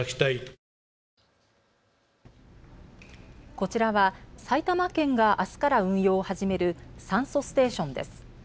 こちらは埼玉県があすから運用を始める酸素ステーションです。